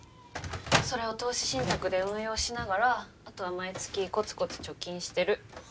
それを投資信託で運用しながらあとは毎月コツコツ貯金してる。